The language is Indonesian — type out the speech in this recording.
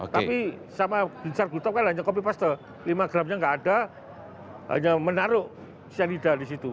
tapi sama bincar gutop kan hanya kopi pasta lima gramnya enggak ada hanya menaruh sianida di situ